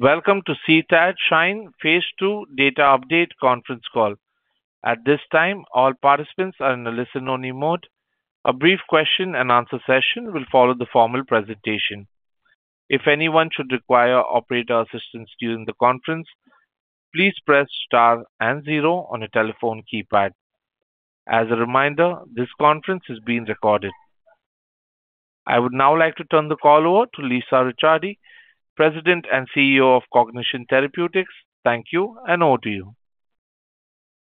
Welcome to CTAD SHINE phase 2 Data Update Conference Call. At this time, all participants are in a listen-only mode. A brief question-and-answer session will follow the formal presentation. If anyone should require operator assistance during the conference, please press star and zero on your telephone keypad. As a reminder, this conference is being recorded. I would now like to turn the call over to Lisa Ricciardi, President and CEO of Cognition Therapeutics. Thank you, and over to you.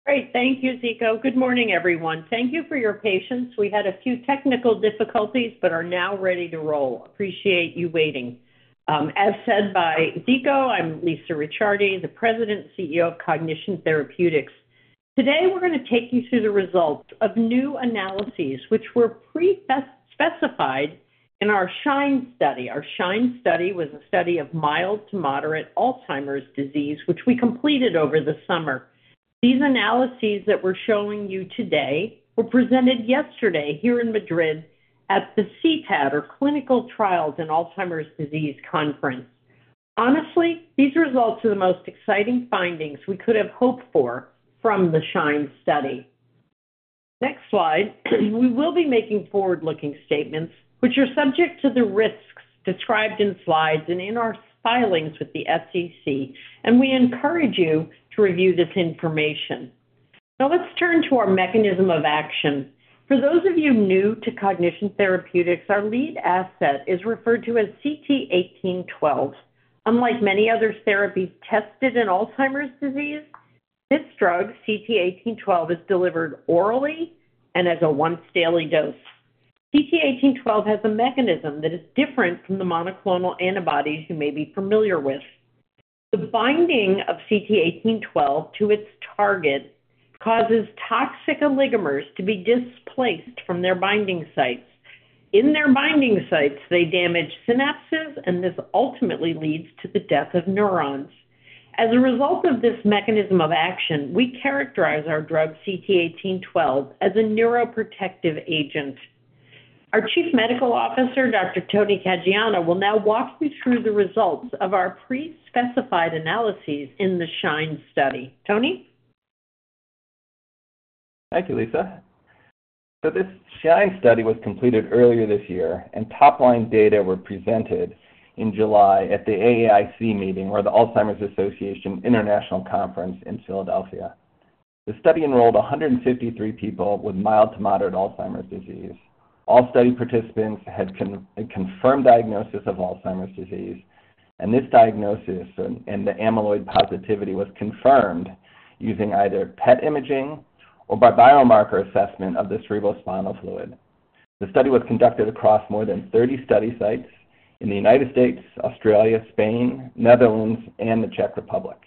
Great. Thank you, Ziko. Good morning, everyone. Thank you for your patience. We had a few technical difficulties but are now ready to roll. Appreciate you waiting. As said by Ziko, I'm Lisa Ricciardi, the President and CEO of Cognition Therapeutics. Today, we're going to take you through the results of new analyses, which were pre-specified in our SHINE study. Our SHINE study was a study of mild to moderate Alzheimer's disease, which we completed over the summer. These analyses that we're showing you today were presented yesterday here in Madrid at the CTAD, or Clinical Trials on Alzheimer's Disease Conference. Honestly, these results are the most exciting findings we could have hoped for from the SHINE study. Next slide. We will be making forward-looking statements, which are subject to the risks described in slides and in our filings with the SEC, and we encourage you to review this information. Now, let's turn to our mechanism of action. For those of you new to Cognition Therapeutics, our lead asset is referred to as CT1812. Unlike many other therapies tested in Alzheimer's disease, this drug, CT1812, is delivered orally and as a once-daily dose. CT1812 has a mechanism that is different from the monoclonal antibodies you may be familiar with. The binding of CT1812 to its target causes toxic oligomers to be displaced from their binding sites. In their binding sites, they damage synapses, and this ultimately leads to the death of neurons. As a result of this mechanism of action, we characterize our drug, CT1812, as a neuroprotective agent. Our Chief Medical Officer, Dr. Tony Caggiano, will now walk you through the results of our pre-specified analyses in the SHINE study. Tony? Thank you, Lisa. So this SHINE study was completed earlier this year, and top-line data were presented in July at the AAIC meeting, or the Alzheimer's Association International Conference, in Philadelphia. The study enrolled 153 people with mild to moderate Alzheimer's disease. All study participants had a confirmed diagnosis of Alzheimer's disease, and this diagnosis and the amyloid positivity was confirmed using either PET imaging or by biomarker assessment of the cerebrospinal fluid. The study was conducted across more than 30 study sites in the United States, Australia, Spain, Netherlands, and the Czech Republic.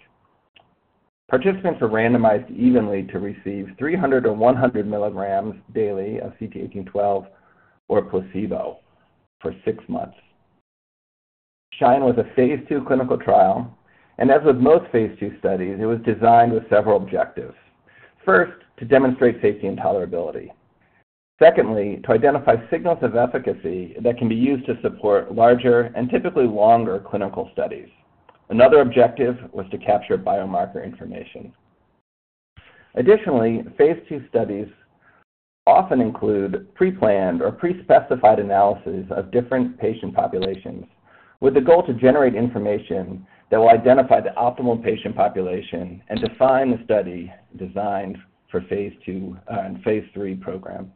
Participants were randomized evenly to receive 300 or 100 milligrams daily of CT1812 or a placebo for six months. SHINE was a phase 2 clinical trial, and as with most phase 2 studies, it was designed with several objectives. First, to demonstrate safety and tolerability. Secondly, to identify signals of efficacy that can be used to support larger and typically longer clinical studies. Another objective was to capture biomarker information. Additionally, phase 2 studies often include pre-planned or pre-specified analyses of different patient populations, with the goal to generate information that will identify the optimal patient population and define the study designed for phase 2 and phase 3 program.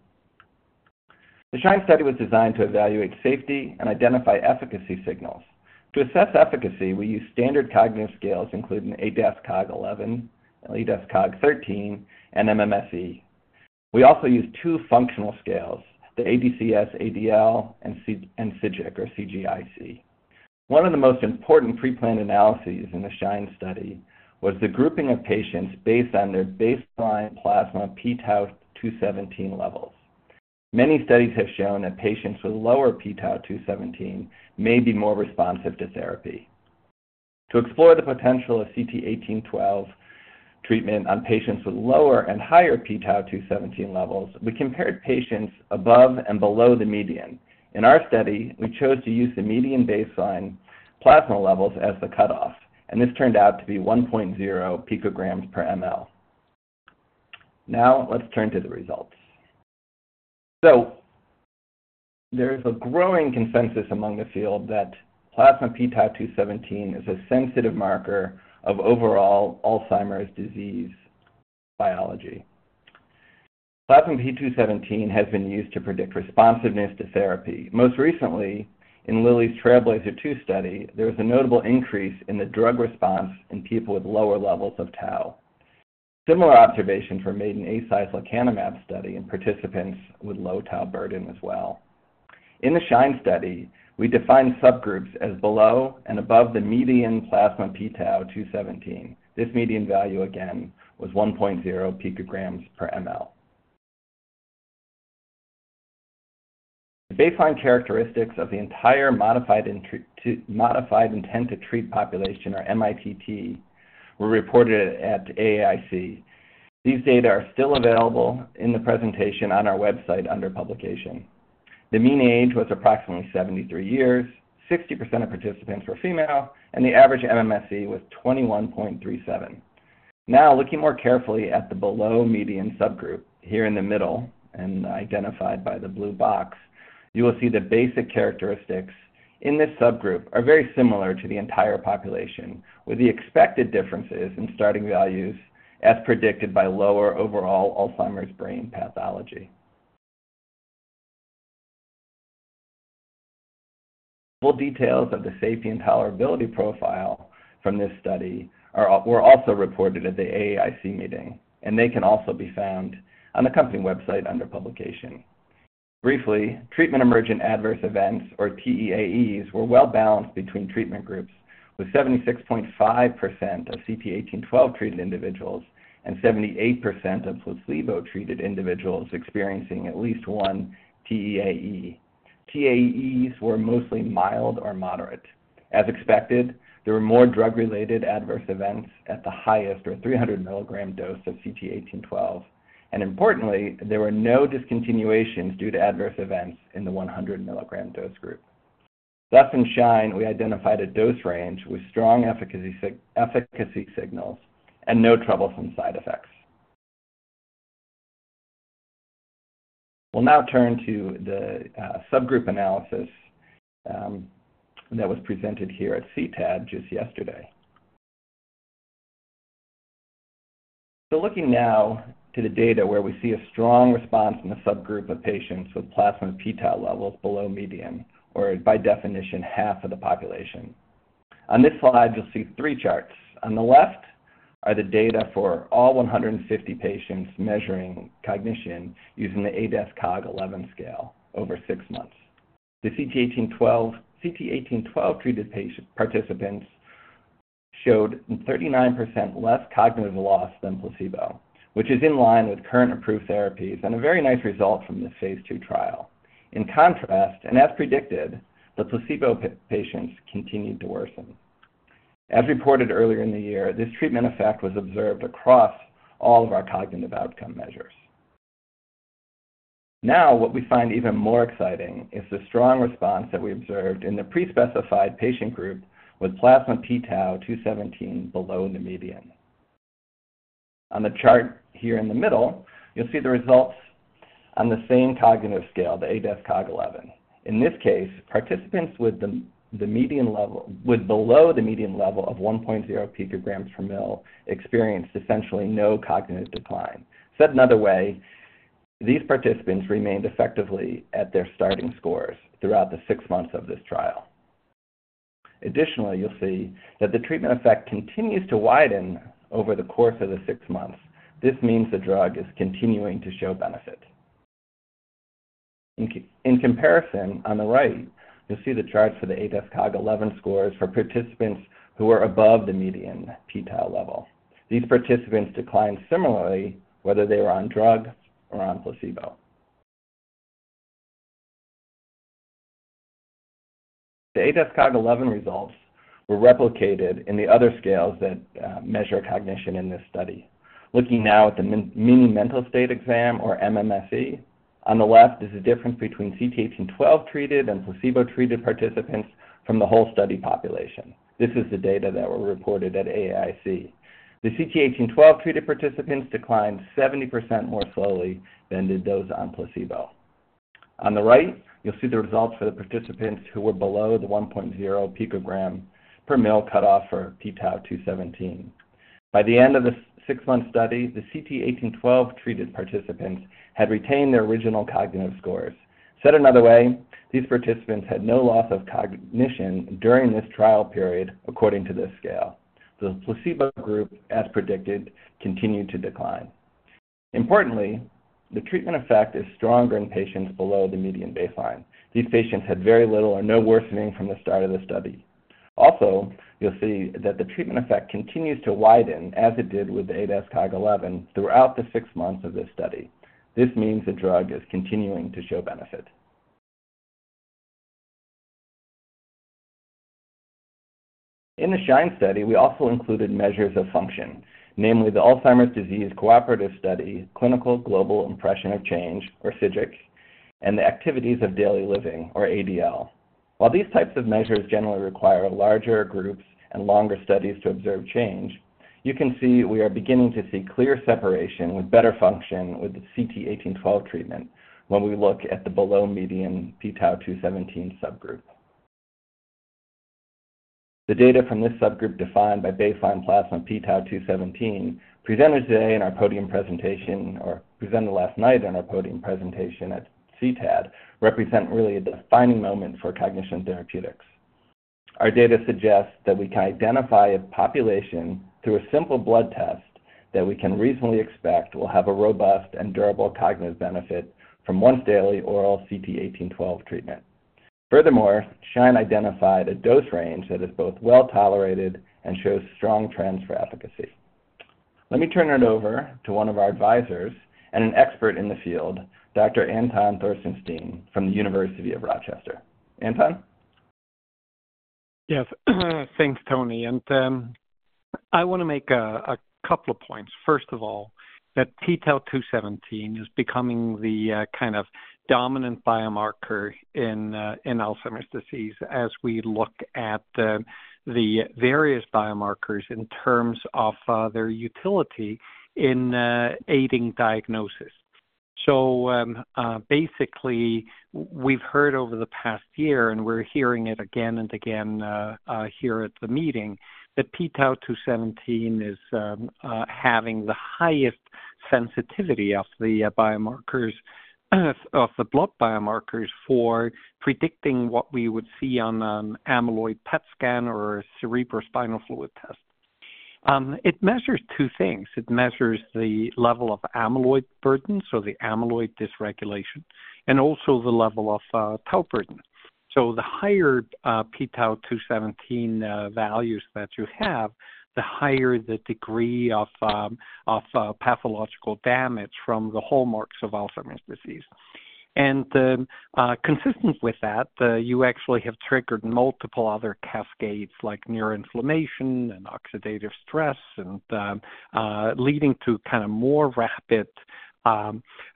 The SHINE study was designed to evaluate safety and identify efficacy signals. To assess efficacy, we used standard cognitive scales, including ADAS-Cog 11, ADAS-Cog 13, and MMSE. We also used two functional scales, the ADCS-ADL, and CGIC. One of the most important pre-planned analyses in the SHINE study was the grouping of patients based on their baseline plasma p-tau217 levels. Many studies have shown that patients with lower p-tau217 may be more responsive to therapy. To explore the potential of CT1812 treatment on patients with lower and higher p-tau217 levels, we compared patients above and below the median. In our study, we chose to use the median baseline plasma levels as the cutoff, and this turned out to be 1.0 pg/mL. Now, let's turn to the results. There is a growing consensus among the field that plasma p-tau217 is a sensitive marker of overall Alzheimer's disease biology. Plasma p-tau217 has been used to predict responsiveness to therapy. Most recently, in Lilly's TRAILBLAZER 2 study, there was a notable increase in the drug response in people with lower levels of tau. Similar observations were made in Eisai's lecanemab study in participants with low tau burden as well. In the SHINE study, we defined subgroups as below and above the median plasma p-tau217. This median value, again, was 1.0 pg/mL. The baseline characteristics of the entire modified intent to treat population, or MITT, were reported at AAIC. These data are still available in the presentation on our website under publication. The mean age was approximately 73 years, 60% of participants were female, and the average MMSE was 21.37. Now, looking more carefully at the below median subgroup, here in the middle and identified by the blue box, you will see the basic characteristics in this subgroup are very similar to the entire population, with the expected differences in starting values as predicted by lower overall Alzheimer's brain pathology. Full details of the safety and tolerability profile from this study were also reported at the AAIC meeting, and they can also be found on the company website under publication. Briefly, treatment emergent adverse events, or TEAEs, were well balanced between treatment groups, with 76.5% of CT1812 treated individuals and 78% of placebo-treated individuals experiencing at least one TEAE. TEAEs were mostly mild or moderate. As expected, there were more drug-related adverse events at the highest, or 300 milligram dose, of CT1812. And importantly, there were no discontinuations due to adverse events in the 100 milligram dose group. Thus, in SHINE, we identified a dose range with strong efficacy signals and no troublesome side effects. We'll now turn to the subgroup analysis that was presented here at CTAD just yesterday. So looking now to the data where we see a strong response in the subgroup of patients with plasma p-tau levels below median, or by definition, half of the population. On this slide, you'll see three charts. On the left are the data for all 150 patients measuring cognition using the ADAS-Cog 11 scale over six months. The CT1812 treated participants showed 39% less cognitive loss than placebo, which is in line with current approved therapies and a very nice result from this phase 2 trial. In contrast, and as predicted, the placebo patients continued to worsen. As reported earlier in the year, this treatment effect was observed across all of our cognitive outcome measures. Now, what we find even more exciting is the strong response that we observed in the pre-specified patient group with plasma p-tau217 below the median. On the chart here in the middle, you'll see the results on the same cognitive scale, the ADAS-Cog 11. In this case, participants with below the median level of 1.0 pg/mL experienced essentially no cognitive decline. Said another way, these participants remained effectively at their starting scores throughout the six months of this trial. Additionally, you'll see that the treatment effect continues to widen over the course of the six months. This means the drug is continuing to show benefit. In comparison, on the right, you'll see the charts for the ADAS-Cog 11 scores for participants who were above the median p-tau level. These participants declined similarly, whether they were on drugs or on placebo. The ADAS-Cog 11 results were replicated in the other scales that measure cognition in this study. Looking now at the Mini-Mental State Examination, or MMSE, on the left is the difference between CT1812 treated and placebo-treated participants from the whole study population. This is the data that were reported at AAIC. The CT1812 treated participants declined 70% more slowly than did those on placebo. On the right, you'll see the results for the participants who were below the 1.0 pg/mL cutoff for p-tau217. By the end of the six-month study, the CT1812 treated participants had retained their original cognitive scores. Said another way, these participants had no loss of cognition during this trial period, according to this scale. The placebo group, as predicted, continued to decline. Importantly, the treatment effect is stronger in patients below the median baseline. These patients had very little or no worsening from the start of the study. Also, you'll see that the treatment effect continues to widen as it did with the ADAS-Cog 11 throughout the six months of this study. This means the drug is continuing to show benefit. In the SHINE study, we also included measures of function, namely the Alzheimer's Disease Cooperative Study, Clinical Global Impression of Change, or CGIC, and the Activities of Daily Living, or ADL. While these types of measures generally require larger groups and longer studies to observe change, you can see we are beginning to see clear separation with better function with the CT1812 treatment when we look at the below median p-tau217 subgroup. The data from this subgroup defined by baseline plasma p-tau217 presented today in our podium presentation, or presented last night in our podium presentation at CTAD, represent really a defining moment for Cognition Therapeutics. Our data suggests that we can identify a population through a simple blood test that we can reasonably expect will have a robust and durable cognitive benefit from once-daily oral CT1812 treatment. Furthermore, SHINE identified a dose range that is both well tolerated and shows strong trends for efficacy. Let me turn it over to one of our advisors and an expert in the field, Dr. Anton Porsteinsson from the University of Rochester. Anton? Yes. Thanks, Tony. And I want to make a couple of points. First of all, that p-tau217 is becoming the kind of dominant biomarker in Alzheimer's disease as we look at the various biomarkers in terms of their utility in aiding diagnosis. So basically, we've heard over the past year, and we're hearing it again and again here at the meeting, that p-tau217 is having the highest sensitivity of the biomarkers, of the blood biomarkers, for predicting what we would see on an amyloid PET scan or a cerebrospinal fluid test. It measures two things. It measures the level of amyloid burden, so the amyloid dysregulation, and also the level of tau burden. So the higher p-tau217 values that you have, the higher the degree of pathological damage from the hallmarks of Alzheimer's disease. And consistent with that, you actually have triggered multiple other cascades, like neuroinflammation and oxidative stress, leading to kind of more rapid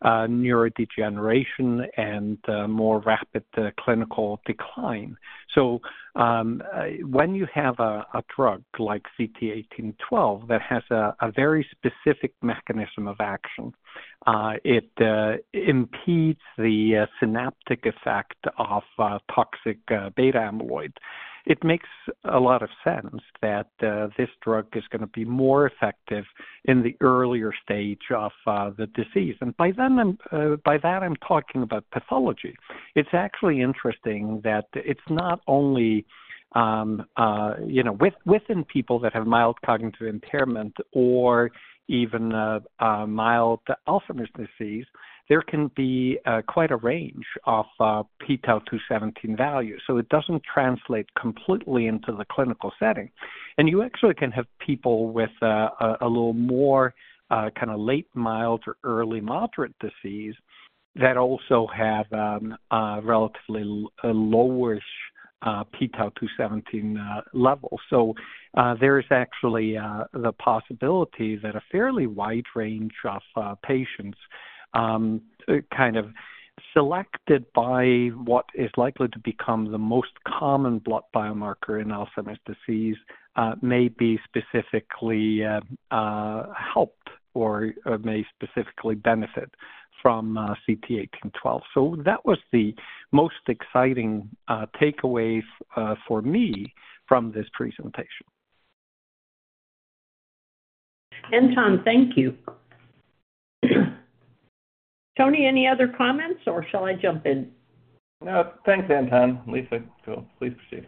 neurodegeneration and more rapid clinical decline. So when you have a drug like CT1812 that has a very specific mechanism of action, it impedes the synaptic effect of toxic beta amyloid. It makes a lot of sense that this drug is going to be more effective in the earlier stage of the disease. And by that, I'm talking about pathology. It's actually interesting that it's not only within people that have mild cognitive impairment or even mild Alzheimer's disease, there can be quite a range of p-tau217 values. So it doesn't translate completely into the clinical setting. And you actually can have people with a little more kind of late mild to early moderate disease that also have relatively lowish p-tau217 levels. So there is actually the possibility that a fairly wide range of patients kind of selected by what is likely to become the most common blood biomarker in Alzheimer's disease may be specifically helped or may specifically benefit from CT1812. So that was the most exciting takeaway for me from this presentation. Anton, thank you. Tony, any other comments, or shall I jump in? No. Thanks, Anton. Lisa, please proceed.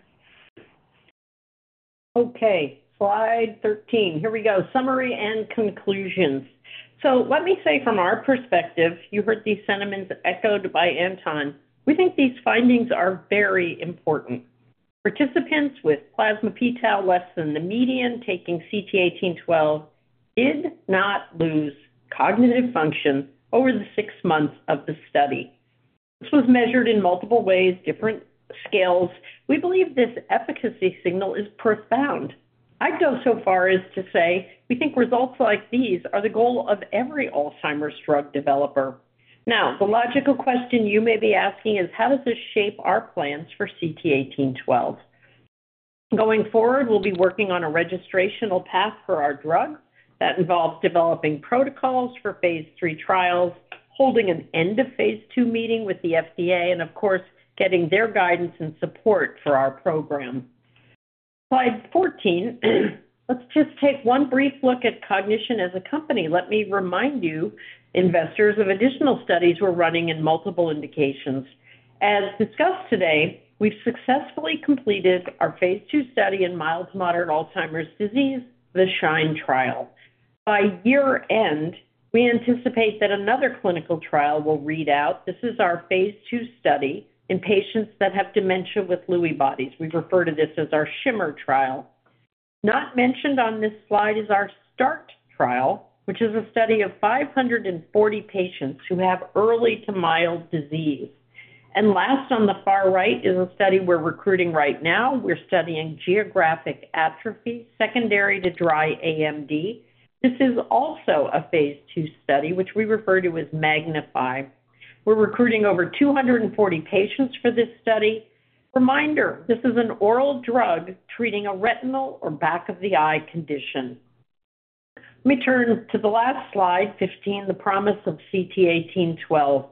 Okay. Slide 13. Here we go. Summary and conclusions. So let me say, from our perspective, you heard these sentiments echoed by Anton. We think these findings are very important. Participants with plasma p-tau less than the median taking CT1812 did not lose cognitive function over the six months of the study. This was measured in multiple ways, different scales. We believe this efficacy signal is profound. I'd go so far as to say we think results like these are the goal of every Alzheimer's drug developer. Now, the logical question you may be asking is, how does this shape our plans for CT1812? Going forward, we'll be working on a registrational path for our drug that involves developing protocols for phase 3 trials, holding an end-of-phase 2 meeting with the FDA, and of course, getting their guidance and support for our program. Slide 14. Let's just take one brief look at Cognition as a company. Let me remind you, investors, of additional studies we're running in multiple indications. As discussed today, we've successfully completed our Phase 2 study in mild to moderate Alzheimer's disease, the SHINE trial. By year-end, we anticipate that another clinical trial will read out. This is our Phase 2 study in patients that have dementia with Lewy bodies. We refer to this as our SHIMMER trial. Not mentioned on this slide is our START trial, which is a study of 540 patients who have early to mild disease. And last on the far right is a study we're recruiting right now. We're studying geographic atrophy secondary to dry AMD. This is also a Phase 2 study, which we refer to as MAGNIFY. We're recruiting over 240 patients for this study. Reminder, this is an oral drug treating a retinal or back-of-the-eye condition. Let me turn to the last slide, 15, the promise of CT1812.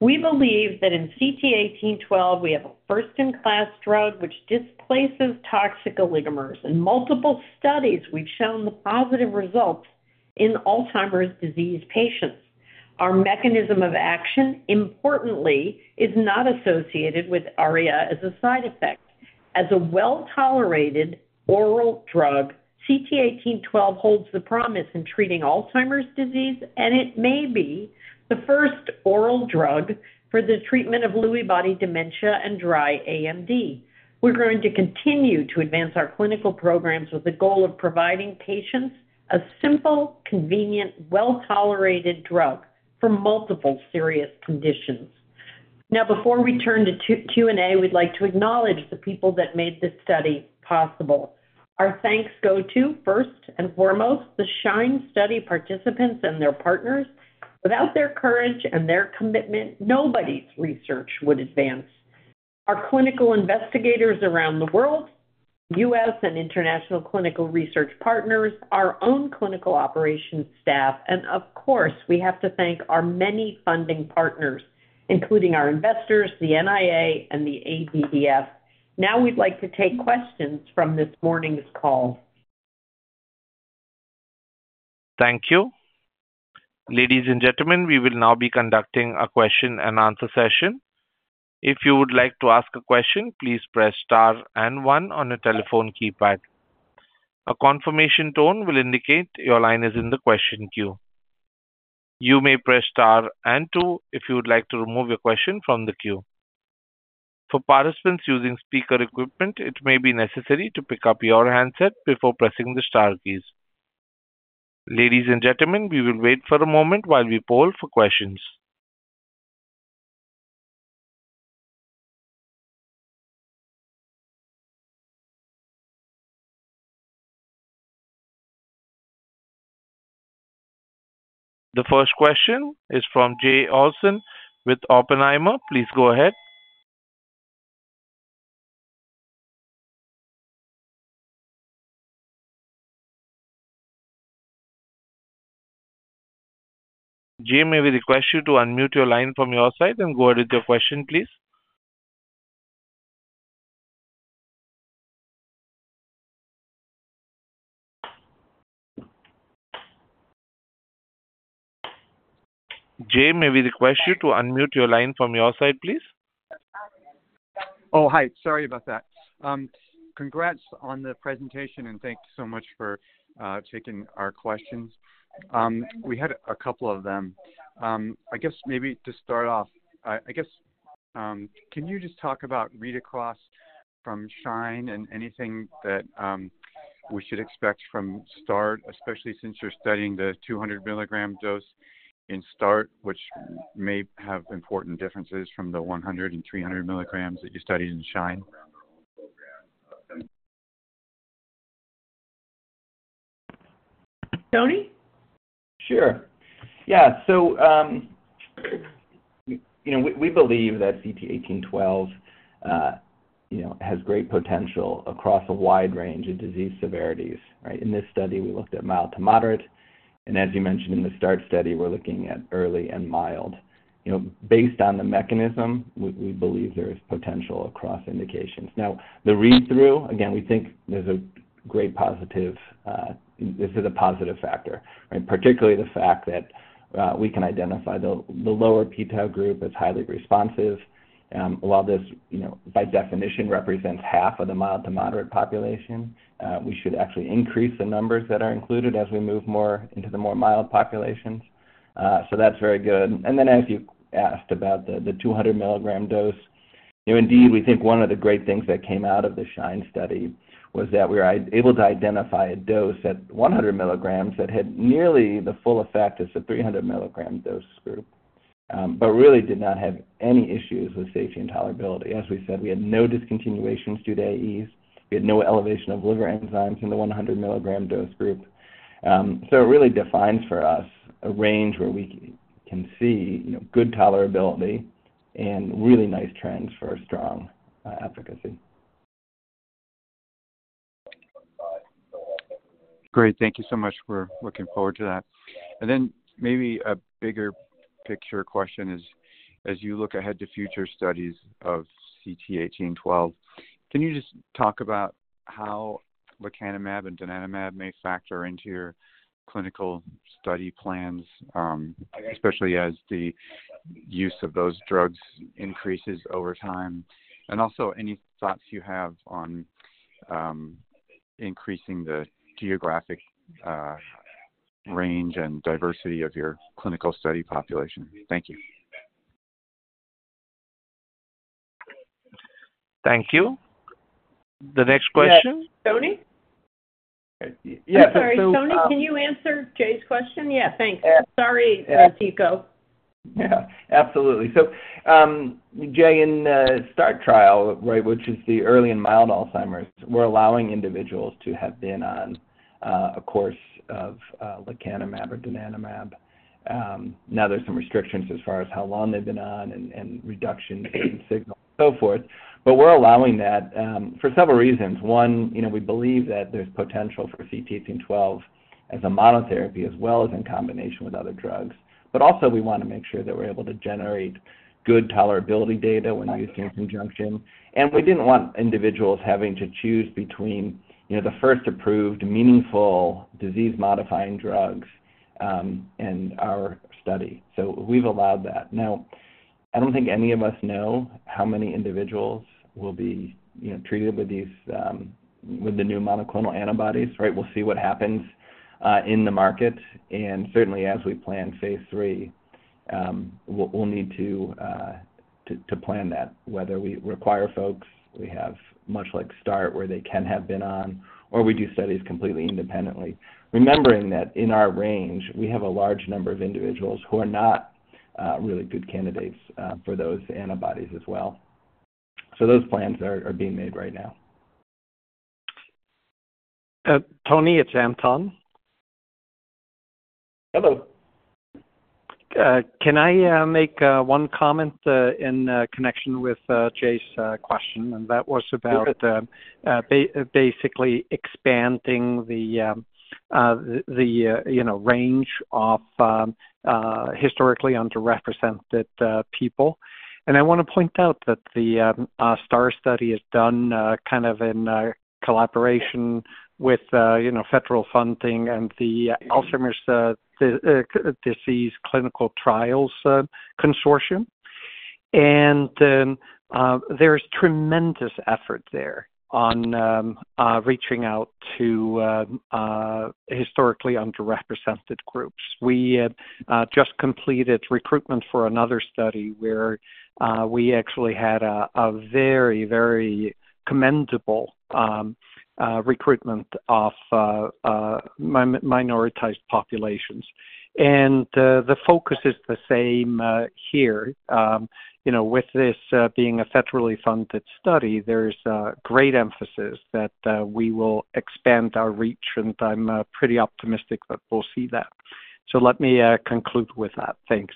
We believe that in CT1812, we have a first-in-class drug which displaces toxic oligomers. In multiple studies, we've shown the positive results in Alzheimer's disease patients. Our mechanism of action, importantly, is not associated with ARIA as a side effect. As a well-tolerated oral drug, CT1812 holds the promise in treating Alzheimer's disease, and it may be the first oral drug for the treatment of Lewy body dementia and dry AMD. We're going to continue to advance our clinical programs with the goal of providing patients a simple, convenient, well-tolerated drug for multiple serious conditions. Now, before we turn to Q&A, we'd like to acknowledge the people that made this study possible. Our thanks go to, first and foremost, the SHINE study participants and their partners. Without their courage and their commitment, nobody's research would advance. Our clinical investigators around the world, U.S. and international clinical research partners, our own clinical operations staff, and of course, we have to thank our many funding partners, including our investors, the NIA, and the ADDF. Now we'd like to take questions from this morning's call. Thank you. Ladies and gentlemen, we will now be conducting a question-and-answer session. If you would like to ask a question, please press star and one on a telephone keypad. A confirmation tone will indicate your line is in the question queue. You may press star and two if you would like to remove your question from the queue. For participants using speaker equipment, it may be necessary to pick up your handset before pressing the star keys. Ladies and gentlemen, we will wait for a moment while we poll for questions. The first question is from Jay Olsen with Oppenheimer. Please go ahead. Jay, may we request you to unmute your line from your side and go ahead with your question, please? Jay, may we request you to unmute your line from your side, please? Oh, hi. Sorry about that. Congrats on the presentation, and thank you so much for taking our questions. We had a couple of them. I guess maybe to start off, I guess, can you just talk about read across from SHINE and anything that we should expect from START, especially since you're studying the 200-milligram dose in START, which may have important differences from the 100 and 300 milligrams that you studied in SHINE? Tony? Sure. Yeah, so we believe that CT1812 has great potential across a wide range of disease severities. In this study, we looked at mild to moderate. And as you mentioned in the START study, we're looking at early and mild. Based on the mechanism, we believe there is potential across indications. Now, the read-through, again, we think there's a great positive. This is a positive factor, particularly the fact that we can identify the lower p-tau group as highly responsive. While this, by definition, represents half of the mild to moderate population, we should actually increase the numbers that are included as we move more into the more mild populations, so that's very good. And then, as you asked about the 200-milligram dose, indeed, we think one of the great things that came out of the SHINE study was that we were able to identify a dose at 100 milligrams that had nearly the full effect as the 300-milligram dose group, but really did not have any issues with safety and tolerability. As we said, we had no discontinuations due to AEs. We had no elevation of liver enzymes in the 100-milligram dose group. So it really defines for us a range where we can see good tolerability and really nice trends for strong efficacy. Great. Thank you so much. We're looking forward to that. And then maybe a bigger picture question is, as you look ahead to future studies of CT1812, can you just talk about how lecanemab and donanemab may factor into your clinical study plans, especially as the use of those drugs increases over time? And also, any thoughts you have on increasing the geographic range and diversity of your clinical study population? Thank you. Thank you. The next question? Yes. Tony? Yeah. Sorry. Tony, can you answer Jay's question? Yeah. Thanks. Sorry, Ziko. Yeah. Absolutely. So Jay, in the START trial, which is the early and mild Alzheimer's, we're allowing individuals to have been on a course of lecanemab or donanemab. Now, there's some restrictions as far as how long they've been on and reduction in signal and so forth. But we're allowing that for several reasons. One, we believe that there's potential for CT1812 as a monotherapy as well as in combination with other drugs. But also, we want to make sure that we're able to generate good tolerability data when used in conjunction. And we didn't want individuals having to choose between the first approved meaningful disease-modifying drugs in our study. So we've allowed that. Now, I don't think any of us know how many individuals will be treated with the new monoclonal antibodies. We'll see what happens in the market. And certainly, as we plan phase 3, we'll need to plan that, whether we require folks. We have much like START where they can have been on, or we do studies completely independently, remembering that in our range, we have a large number of individuals who are not really good candidates for those antibodies as well. So those plans are being made right now. Tony, it's Anton. Hello. Can I make one comment in connection with Jay's question? And that was about basically expanding the range of historically underrepresented people. And I want to point out that the START study is done kind of in collaboration with federal funding and the Alzheimer's Disease Clinical Trials Consortium. And there is tremendous effort there on reaching out to historically underrepresented groups. We just completed recruitment for another study where we actually had a very, very commendable recruitment of minoritized populations. And the focus is the same here. With this being a federally funded study, there's great emphasis that we will expand our reach, and I'm pretty optimistic that we'll see that. So let me conclude with that. Thanks.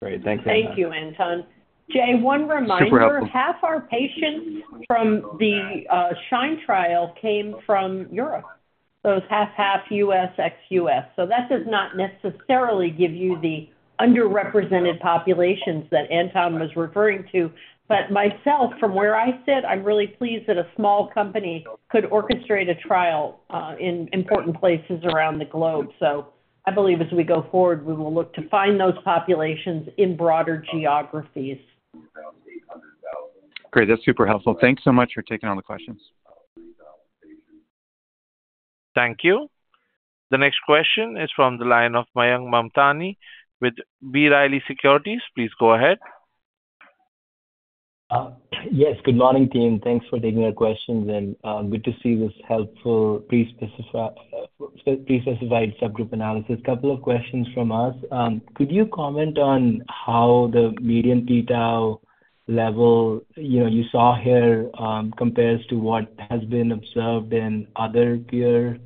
Great. Thanks, Anton. Thank you, Anton. Jay, one reminder. Superb. Half our patients from the SHINE trial came from Europe. So it was half, half U.S., ex-U.S. So that does not necessarily give you the underrepresented populations that Anton was referring to. But myself, from where I sit, I'm really pleased that a small company could orchestrate a trial in important places around the globe. So I believe as we go forward, we will look to find those populations in broader geographies. Great. That's super helpful. Thanks so much for taking all the questions. Thank you. The next question is from the line of Mayank Mamtani with B. Riley Securities. Please go ahead. Yes. Good morning, team. Thanks for taking our questions. And good to see this helpful pre-specified subgroup analysis. A couple of questions from us. Could you comment on how the median p-tau level you saw here compares to what has been observed in other amyloid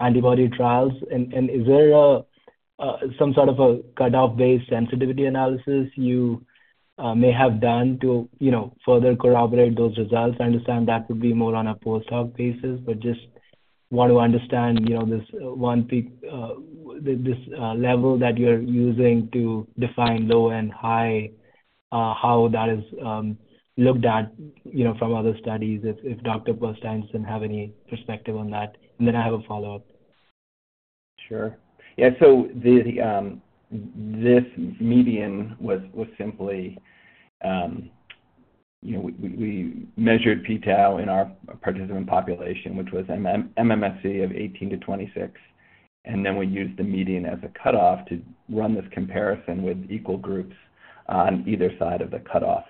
antibody trials? And is there some sort of a cut-off-based sensitivity analysis you may have done to further corroborate those results? I understand that would be more on a post-hoc basis, but just want to understand this one peak, this level that you're using to define low and high, how that is looked at from other studies. If Dr. Porsteinsson have any perspective on that. And then I have a follow-up. Sure. Yeah. So this median was simply. We measured p-tau in our participant population, which was MMSE of 18 to 26. And then we used the median as a cutoff to run this comparison with equal groups on either side of the cutoff.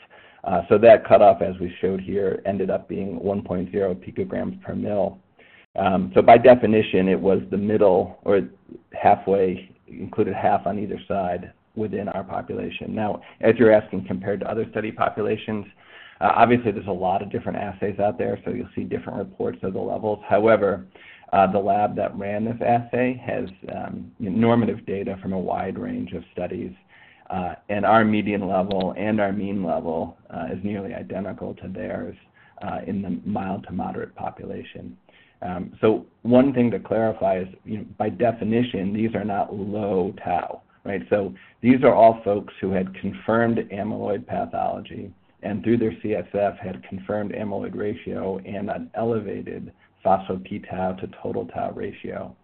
That cutoff, as we showed here, ended up being 1.0 picograms per mL. By definition, it was the middle or halfway, included half on either side within our population. Now, as you're asking, compared to other study populations, obviously, there's a lot of different assays out there. You'll see different reports of the levels. However, the lab that ran this assay has normative data from a wide range of studies. Our median level and our mean level is nearly identical to theirs in the mild to moderate population. One thing to clarify is, by definition, these are not low tau. So these are all folks who had confirmed amyloid pathology and through their CSF had confirmed amyloid ratio and an elevated phospho-tau to total tau ratio.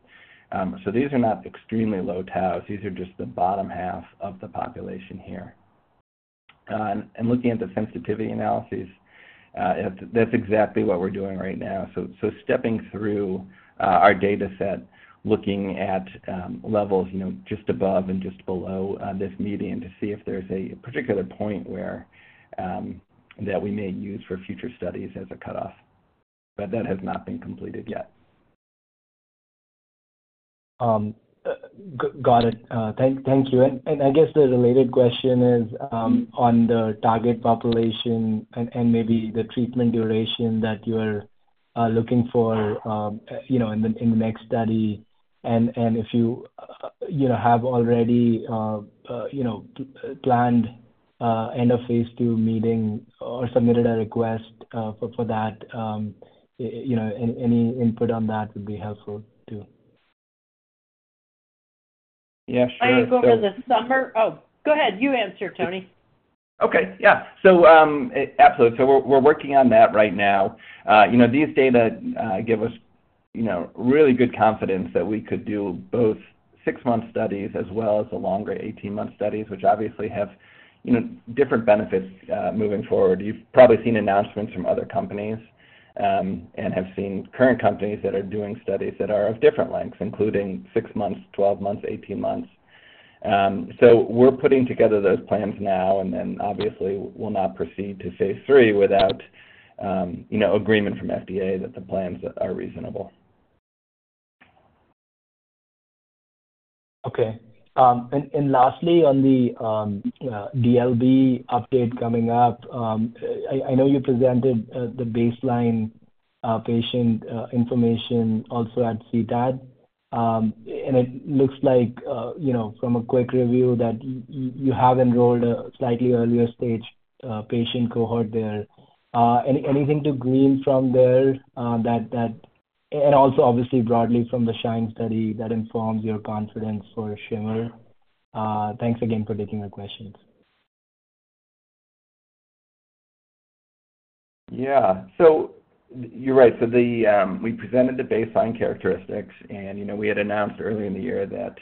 So these are not extremely low tau. These are just the bottom half of the population here. And looking at the sensitivity analyses, that's exactly what we're doing right now. So stepping through our data set, looking at levels just above and just below this median to see if there's a particular point that we may use for future studies as a cutoff. But that has not been completed yet. Got it. Thank you. And I guess the related question is on the target population and maybe the treatment duration that you are looking for in the next study. And if you have already planned end of phase two meeting or submitted a request for that, any input on that would be helpful too. Yeah. Sure. Are you going to the summer? Oh, go ahead. You answer, Tony. Okay. Yeah. So absolutely. So we're working on that right now. These data give us really good confidence that we could do both six-month studies as well as the longer 18-month studies, which obviously have different benefits moving forward. You've probably seen announcements from other companies and have seen current companies that are doing studies that are of different lengths, including six months, 12 months, 18 months. So we're putting together those plans now. And then, obviously, we'll not proceed to phase three without agreement from FDA that the plans are reasonable. Okay. And lastly, on the DLB update coming up, I know you presented the baseline patient information also at CTAD. And it looks like, from a quick review, that you have enrolled a slightly earlier stage patient cohort there. Anything to glean from there? And also, obviously, broadly from the SHINE study that informs your confidence for SHIMMER? Thanks again for taking our questions. Yeah. So you're right. So we presented the baseline characteristics. And we had announced early in the year that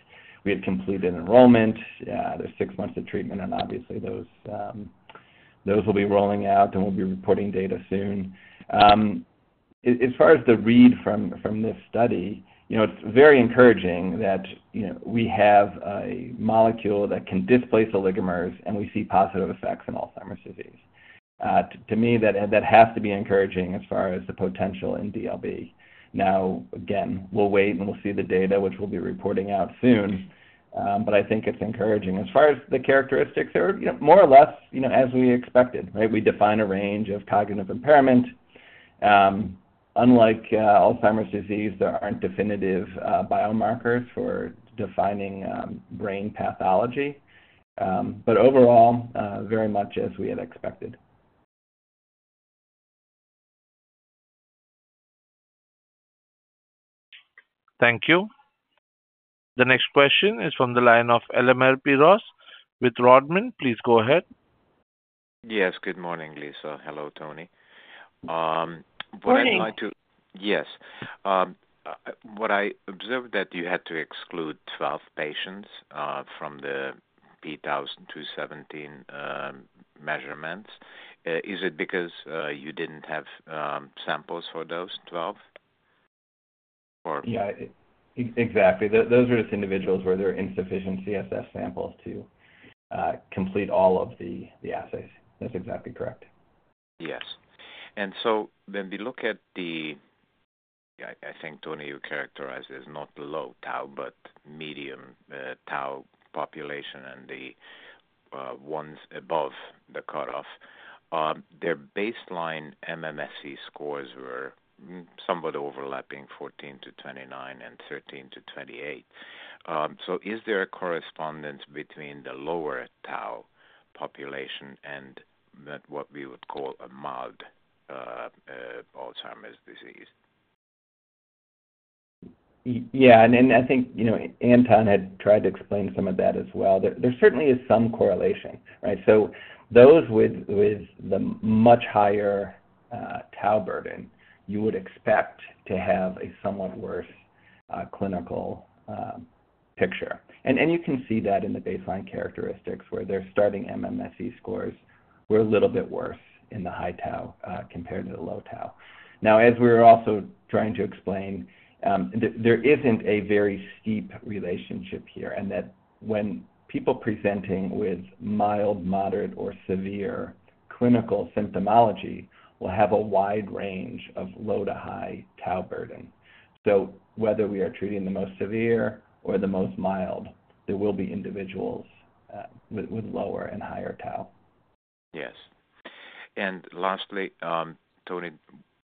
we had completed enrollment. There's six months of treatment. And obviously, those will be rolling out. And we'll be reporting data soon. As far as the read from this study, it's very encouraging that we have a molecule that can displace oligomers, and we see positive effects in Alzheimer's disease. To me, that has to be encouraging as far as the potential in DLB. Now, again, we'll wait and we'll see the data, which we'll be reporting out soon. But I think it's encouraging. As far as the characteristics, they're more or less as we expected. We define a range of cognitive impairment. Unlike Alzheimer's disease, there aren't definitive biomarkers for defining brain pathology. But overall, very much as we had expected. Thank you. The next question is from the line of Elemer Piros with Rodman & Renshaw. Please go ahead. Yes. Good morning, Lisa. Hello, Tony. Good morning. Yes. What I observed that you had to exclude 12 patients from the p-tau217 measurements. Is it because you didn't have samples for those 12? Yeah. Exactly. Those are just individuals where there are insufficient CSF samples to complete all of the assays. That's exactly correct. Yes. And so when we look at the, I think, Tony, you characterized it as not low tau but medium tau population and the ones above the cutoff, their baseline MMSE scores were somewhat overlapping 14-29 and 13-28. So is there a correspondence between the lower tau population and what we would call a mild Alzheimer's disease? Yeah. And I think Anton had tried to explain some of that as well. There certainly is some correlation. So those with the much higher tau burden, you would expect to have a somewhat worse clinical picture. And you can see that in the baseline characteristics where their starting MMSE scores were a little bit worse in the high tau compared to the low tau. Now, as we were also trying to explain, there isn't a very steep relationship here. And that when people presenting with mild, moderate, or severe clinical symptomatology will have a wide range of low to high tau burden. So whether we are treating the most severe or the most mild, there will be individuals with lower and higher tau. Yes. And lastly, Tony,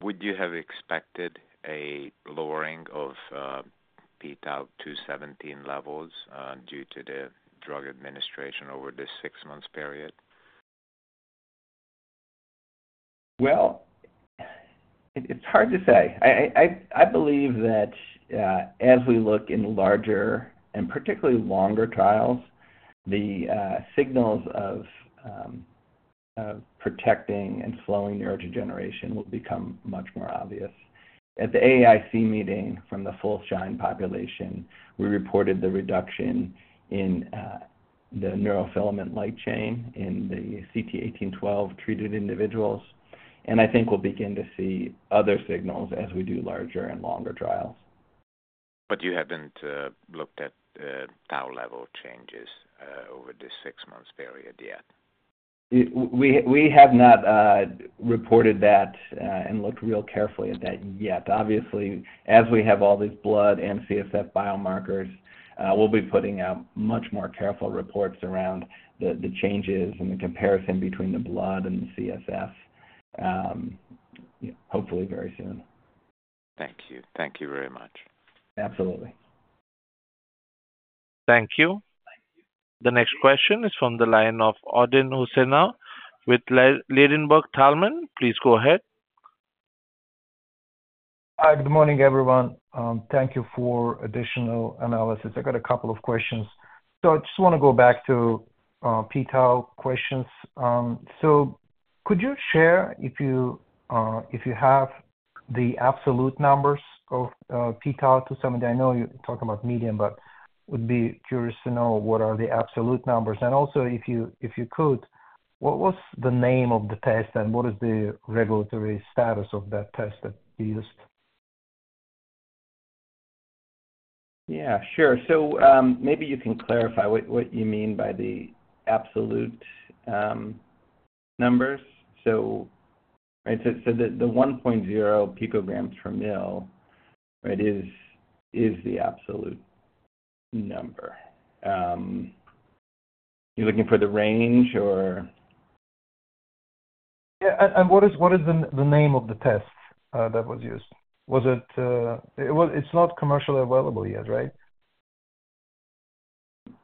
would you have expected a lowering of p-tau217 levels due to the drug administration over this six-month period? It's hard to say. I believe that as we look in larger and particularly longer trials, the signals of protecting and slowing neurodegeneration will become much more obvious. At the AAIC meeting from the full SHINE population, we reported the reduction in the neurofilament light chain in the CT1812 treated individuals. I think we'll begin to see other signals as we do larger and longer trials. But you haven't looked at tau level changes over this six-month period yet? We have not reported that and looked real carefully at that yet. Obviously, as we have all this blood and CSF biomarkers, we'll be putting out much more careful reports around the changes and the comparison between the blood and the CSF, hopefully very soon. Thank you. Thank you very much. Absolutely. Thank you. The next question is from the line of Aydin Huseynov with Ladenburg Thalmann. Please go ahead. Good morning, everyone. Thank you for additional analysis. I got a couple of questions. So I just want to go back to p-tau217 questions. So could you share if you have the absolute numbers of p-tau217? I know you talk about median, but would be curious to know what are the absolute numbers. And also, if you could, what was the name of the test and what is the regulatory status of that test that you used? Yeah. Sure. So maybe you can clarify what you mean by the absolute numbers. So the 1.0 picograms per mL is the absolute number. You're looking for the range or? Yeah. And what is the name of the test that was used? It's not commercially available yet, right?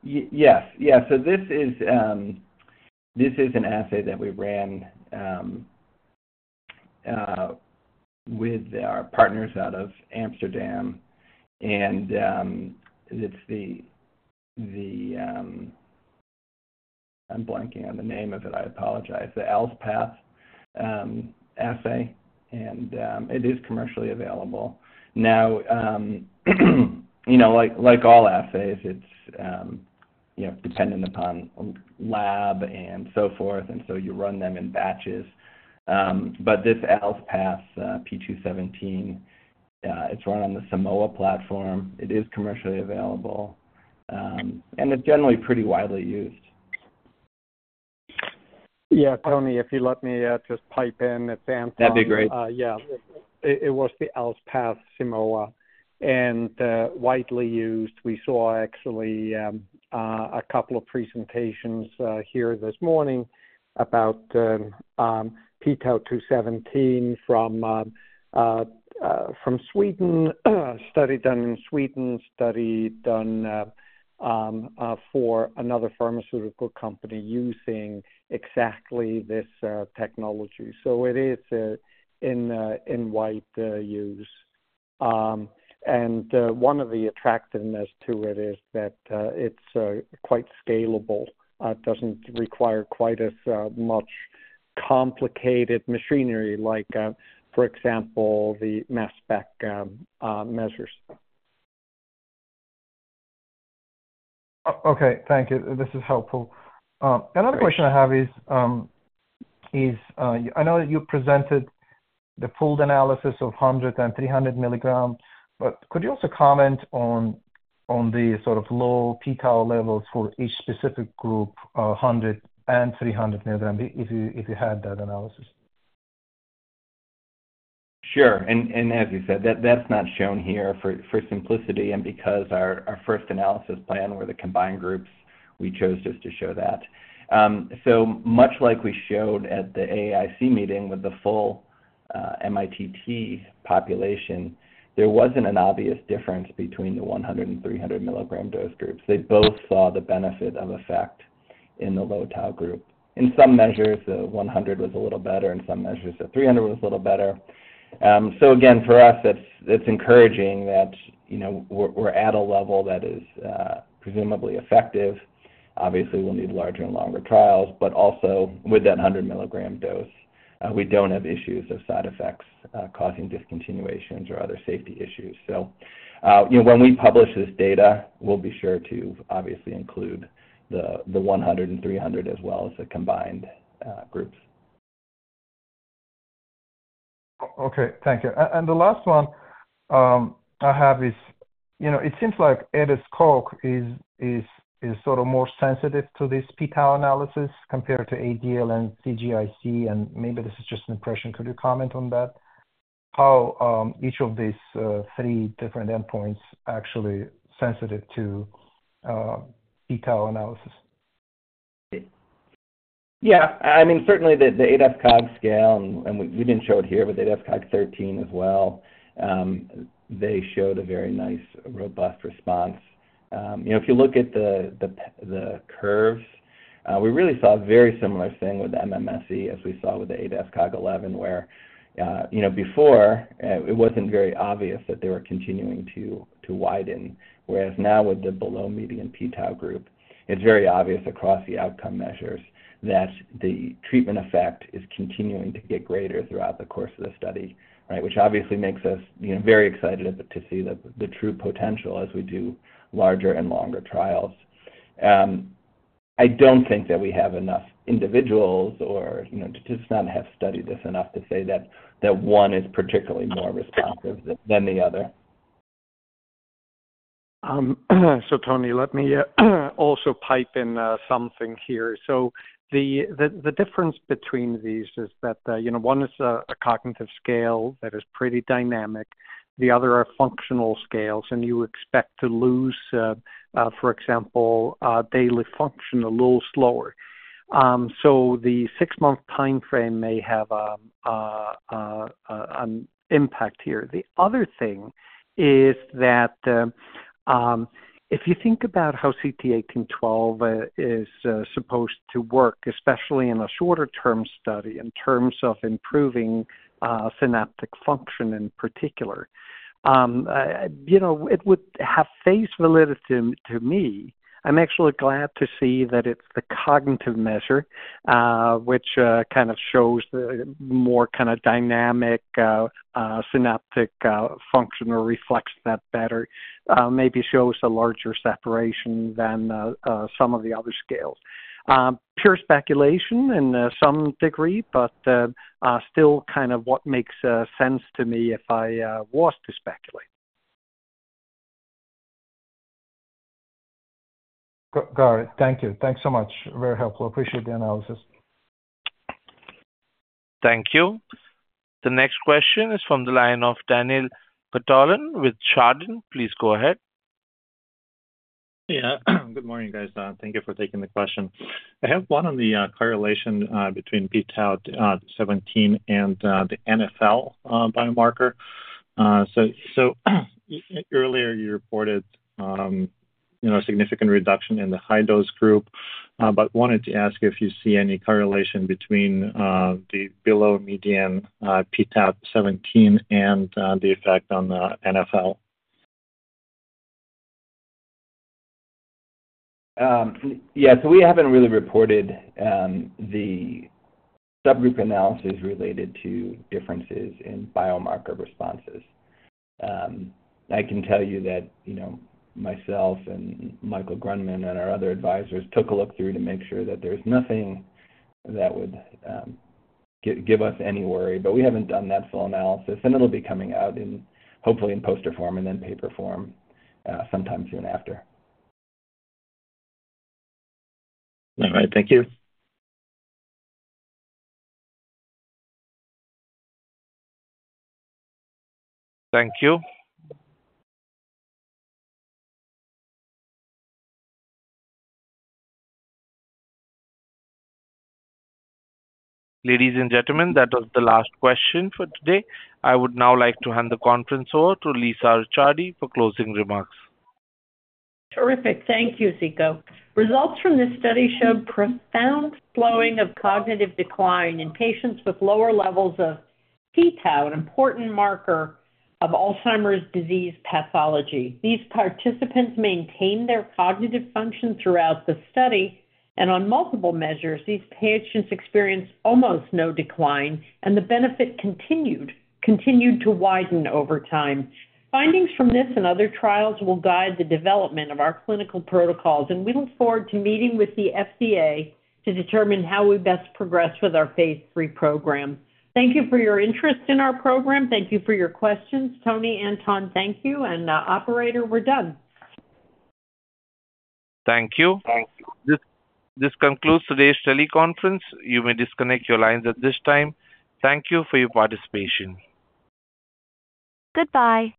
Yes. Yeah. So this is an assay that we ran with our partners out of Amsterdam. And it's the, I'm blanking on the name of it. I apologize. The ALZpath assay. And it is commercially available. Now, like all assays, it's dependent upon lab and so forth. And so you run them in batches. But this ALZpath p-tau217, it's run on the Simoa platform. It is commercially available. And it's generally pretty widely used. Yeah. Tony, if you let me just pipe in, it's Anton. That'd be great. Yeah. It was the ALZpath Simoa. And widely used. We saw actually a couple of presentations here this morning about p-tau217 from Sweden, study done in Sweden, study done for another pharmaceutical company using exactly this technology. So it is in wide use. And one of the attractiveness to it is that it's quite scalable. It doesn't require quite as much complicated machinery like, for example, the mass spec measures. Okay. Thank you. This is helpful. Another question I have is, I know that you presented the full analysis of 100 and 300 milligrams. But could you also comment on the sort of low p-tau217 levels for each specific group, 100 and 300 milligrams, if you had that analysis? Sure. And as you said, that's not shown here for simplicity. And because our first analysis plan were the combined groups, we chose just to show that. So much like we showed at the AAIC meeting with the full MITT population, there wasn't an obvious difference between the 100 and 300 milligram dose groups. They both saw the benefit of effect in the low tau group. In some measures, the 100 was a little better. In some measures, the 300 was a little better. So again, for us, it's encouraging that we're at a level that is presumably effective. Obviously, we'll need larger and longer trials. But also, with that 100 milligram dose, we don't have issues of side effects causing discontinuations or other safety issues. So when we publish this data, we'll be sure to obviously include the 100 and 300 as well as the combined groups. Okay. Thank you. And the last one I have is, it seems like ADAS-Cog is sort of more sensitive to this p-tau analysis compared to ADL and CGIC. And maybe this is just an impression. Could you comment on that? How each of these three different endpoints are actually sensitive to p-tau analysis? Yeah. I mean, certainly, the ADAS-Cog scale, and we didn't show it here, but the ADAS-Cog 13 as well, they showed a very nice robust response. If you look at the curves, we really saw a very similar thing with MMSE as we saw with the ADAS-Cog 11, where before, it wasn't very obvious that they were continuing to widen. Whereas now, with the below median p-tau group, it's very obvious across the outcome measures that the treatment effect is continuing to get greater throughout the course of the study, which obviously makes us very excited to see the true potential as we do larger and longer trials. I don't think that we have enough individuals or just not have studied this enough to say that one is particularly more responsive than the other. So Tony, let me also chime in something here. So the difference between these is that one is a cognitive scale that is pretty dynamic. The other are functional scales. And you expect to lose, for example, daily function a little slower. So the six-month time frame may have an impact here. The other thing is that if you think about how CT1812 is supposed to work, especially in a shorter-term study in terms of improving synaptic function in particular, it would have face validity to me. I'm actually glad to see that it's the cognitive measure, which kind of shows the more kind of dynamic synaptic function or reflects that better, maybe shows a larger separation than some of the other scales. Pure speculation in some degree, but still kind of what makes sense to me if I was to speculate. Got it. Thank you. Thanks so much. Very helpful. Appreciate the analysis. Thank you. The next question is from the line of Daniil Gataulin with Chardan. Please go ahead. Yeah. Good morning, guys. Thank you for taking the question. I have one on the correlation between p-tau217 and the NfL biomarker. So earlier, you reported a significant reduction in the high-dose group, but wanted to ask if you see any correlation between the below median p-tau217 and the effect on the NfL. Yeah, so we haven't really reported the subgroup analyses related to differences in biomarker responses. I can tell you that myself and Michael Grundman and our other advisors took a look through to make sure that there's nothing that would give us any worry, but we haven't done that full analysis, and it'll be coming out hopefully in poster form and then paper form sometime soon after. All right. Thank you. Thank you. Ladies and gentlemen, that was the last question for today. I would now like to hand the conference over to Lisa Ricciardi for closing remarks. Terrific. Thank you, Ziko. Results from this study showed profound slowing of cognitive decline in patients with lower levels of p-tau, an important marker of Alzheimer's disease pathology. These participants maintained their cognitive function throughout the study. And on multiple measures, these patients experienced almost no decline. And the benefit continued to widen over time. Findings from this and other trials will guide the development of our clinical protocols. And we look forward to meeting with the FDA to determine how we best progress with our phase three program. Thank you for your interest in our program. Thank you for your questions. Tony, Anton, thank you. And operator, we're done. Thank you. This concludes today's study conference. You may disconnect your lines at this time. Thank you for your participation. Goodbye.